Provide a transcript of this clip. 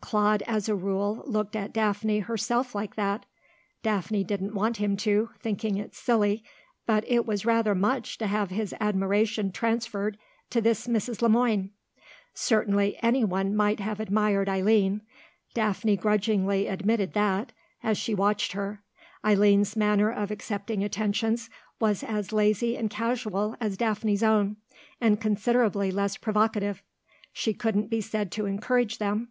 Claude as a rule looked at Daphne herself like that; Daphne didn't want him to, thinking it silly, but it was rather much to have his admiration transferred to this Mrs. Le Moine. Certainly anyone might have admired Eileen; Daphne grudgingly admitted that, as she watched her. Eileen's manner of accepting attentions was as lazy and casual as Daphne's own, and considerably less provocative; she couldn't be said to encourage them.